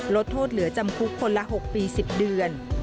ลดโทษเหลือจำคุกคนละ๖ปี๑๐เดือน